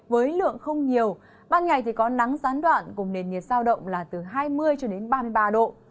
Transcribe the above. với lượng không nhiều ban ngày thì có nắng gián đoạn cùng nền nhiệt giao động là từ hai mươi cho đến ba mươi ba độ